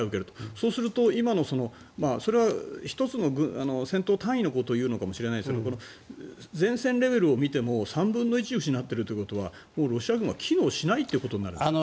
そうすると今のそれは１つの戦闘単位のことを言うのかもしれないですが前線レベルを見ても３分の１失っているということはもうロシア軍は機能しないということですか？